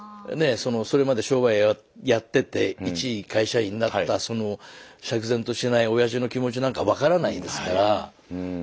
それまで商売をやってていち会社員になったその釈然としないおやじの気持ちなんか分からないですから。